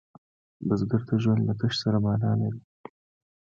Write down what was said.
بزګر ته ژوند له کښت سره معنا لري